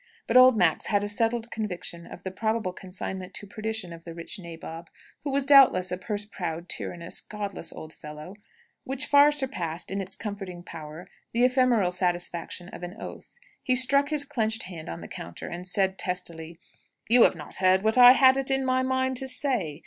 But old Max had a settled conviction of the probable consignment to perdition of the rich nabob who was doubtless a purse proud, tyrannous, godless old fellow which far surpassed, in its comforting power, the ephemeral satisfaction of an oath. He struck his clenched hand on the counter, and said, testily, "You have not heard what I had it in my mind to say!